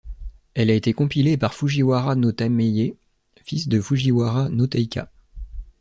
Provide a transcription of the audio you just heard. Elle a été compilée par Fujiwara no Tameie, fils de Fujiwara no Teika.